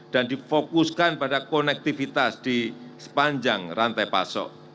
dan difokuskan pada konektivitas di sepanjang rantai pasok